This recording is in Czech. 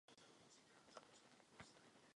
Byl častým hostem zahraničních operních scén.